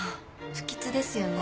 不吉ですよね。